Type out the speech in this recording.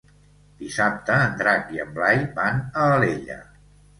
Dissabte en Drac i en Blai van a Alella.